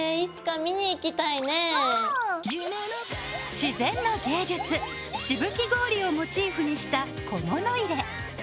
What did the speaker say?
自然の芸術しぶき氷をモチーフにした小物入れ。